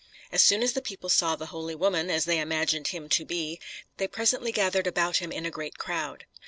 As soon as the people saw the holy woman, as they imagined him to be, they presently gathered about him in a great crowd.